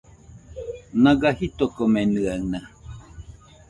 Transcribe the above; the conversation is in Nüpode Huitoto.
Naga jitokomenɨaɨna